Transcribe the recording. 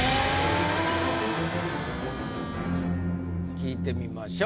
聞いてみましょう。